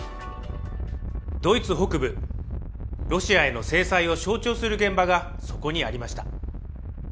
ドイツ北部、ロシアへの制裁を象徴する現場がそこにありました。